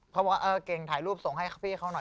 เพราะว่าเก่งถ่ายรูปส่งให้พี่เขาหน่อย